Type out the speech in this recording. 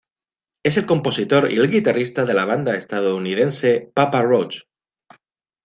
Es el compositor y el guitarrista de la banda estadounidense Papa Roach.